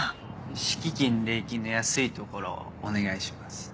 敷金礼金の安い所をお願いします。